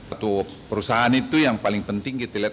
atau perusahaan itu yang paling penting kita lihat